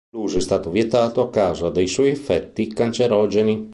L'uso è stato vietato a causa dei suoi effetti cancerogeni.